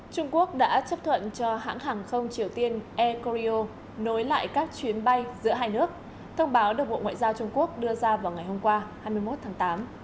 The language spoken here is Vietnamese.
trung quốc đã chấp thuận cho hãng hàng không triều tiên air koryo nối lại các chuyến bay giữa hai nước thông báo được bộ ngoại giao trung quốc đưa ra vào ngày hôm qua hai mươi một tháng tám